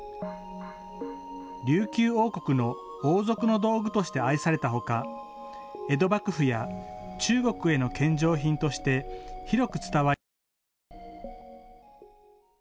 琉球王国の王族の道具として愛されたほか、江戸幕府や中国への献上品として、広く伝わりました。